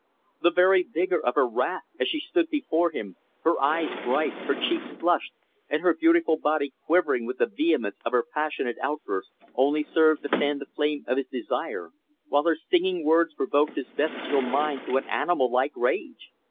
The very vigor of her wrath, as she stood before him, her eyes bright, her cheeks flushed, and her beautiful body quivering with the vehemence of her passionate outburst, only served to fan the flame of his desire; while her stinging words provoked his bestial mind to an animal like rage.